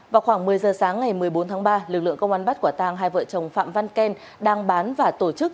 vào khoảng một mươi giờ sáng ngày một mươi bốn tháng ba lực lượng công an bắt quả tàng hai vợ chồng phạm văn ken đang bán và tổ chức